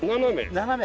斜め。